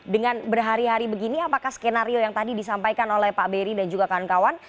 dengan berhari hari begini apakah skenario yang tadi disampaikan oleh pak beri dan juga kawan kawan